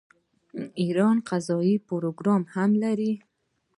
ایران فضايي پروګرام هم لري.